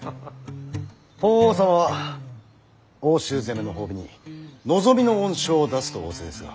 法皇様は奥州攻めの褒美に望みの恩賞を出すと仰せですが。